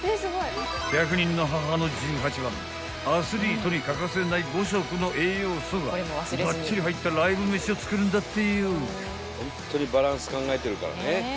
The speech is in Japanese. ［１００人の母の十八番アスリートに欠かせない５色の栄養素がばっちり入ったライブ飯を作るんだってよ］